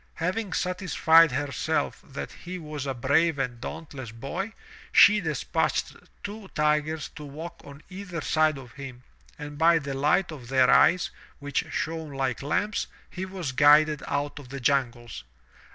Having satisfied herself that he was a brave and dauntless boy, she despatched two tigers to walk on either side of him, and by the light of their eyes, which shone like lamps, he was guided out of the jungles.